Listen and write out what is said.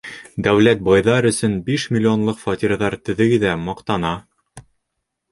Дәүләт байҙар өсөн биш миллионлыҡ фатирҙар төҙөй ҙә маҡтана.